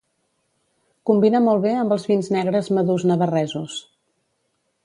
Combina molt bé amb els vins negres madurs navarresos.